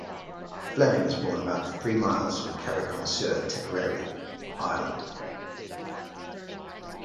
Fleming was born about three miles from Carrick-on-Suir, Tipperary, Ireland.